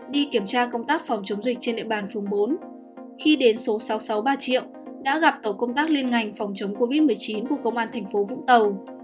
đi kiểm tra công tác phòng chống dịch trên địa bàn phường bốn khi đến số sáu mươi sáu ba triệu đã gặp tổ công tác liên ngành phòng chống covid một mươi chín của công an thành phố vũng tàu